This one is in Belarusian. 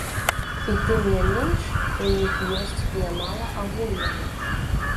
І тым не менш у іх ёсць нямала агульнага.